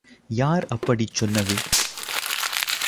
யார் அப்படிச் சொன்னது?